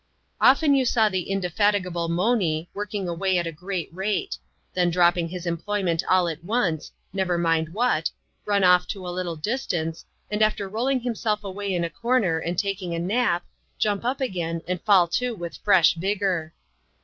Often you saw the indefatigable Monee working away at a great rate ; then dropping his employment all at once — never mind what — run off to a little distance, and after rolling him self away in a comer, and taking a nap, jipnp up again, and fiJl to with fresh vigour.